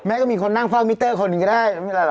แม่ก็มีคนนั่งพ่อมิเตอร์คนหนึ่งก็ได้ไม่เป็นไรหรอก